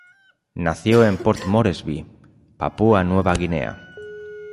Nació en Port Moresby, Papúa-Nueva Guinea.